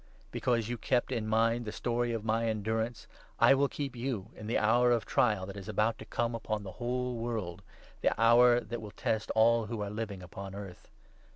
Because you kept in mind the 10 story of my endurance, I will keep you in the hour of trial that is about to come upon the whole world, the hour that will test all who are living upon earth.